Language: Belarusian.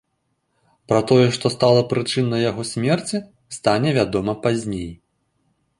Пра тое, што стала прычынай яго смерці, стане вядома пазней.